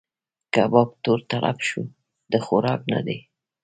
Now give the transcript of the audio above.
کباب تور تلب شو؛ د خوراک نه دی.